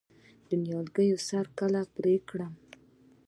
د نیالګي سر کله پرې کړم؟